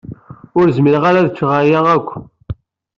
Ur zmireɣ ara ad ččeɣ aya akk.